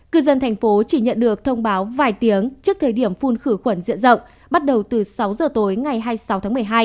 cư dân thành phố chỉ nhận được thông báo vài tiếng trước thời điểm phun khử khuẩn diện rộng bắt đầu từ sáu giờ tối ngày hai mươi sáu tháng một mươi hai